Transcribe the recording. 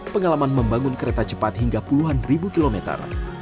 pengalaman membangun kereta cepat hingga puluhan ribu kilometer